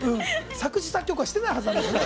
作詞・作曲はしてないはずなんだけどね。